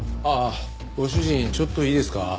主人ちょっといいですか？